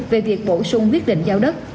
về việc bổ sung quyết định giao đất